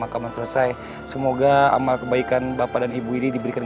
menguatkan hadir sampai acara pemakaman selesai semoga amal kebaikan bapak dan ibu ini diberikan